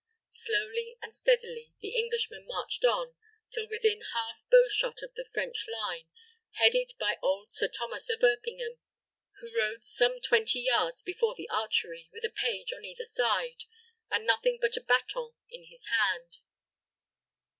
Slowly and steadily the Englishmen marched on, till within half bow shot of the French line, headed by old Sir Thomas of Erpingham, who rode some twenty yards before the archery, with a page on either side, and nothing but a baton in his hand.